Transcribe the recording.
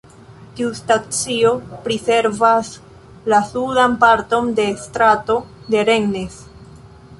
Tiu stacio priservas la sudan parton de Strato de Rennes.